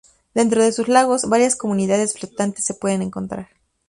Dentro de sus lagos, varias comunidades flotantes se pueden encontrar.